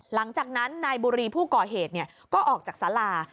หลังจากนั้นนายบุรีผู้ก่อเหตุก็ออกจากสารา